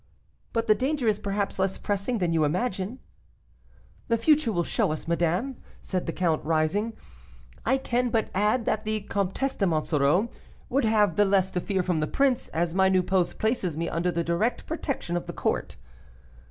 'But the danger is perhaps less pressing than you imagine.' "'The future will show us, madame,' said the count, rising. 'I can but add that the Comtesse de Monsoreau would have the less to fear from the prince, as my new post places me under the direct protection of the court.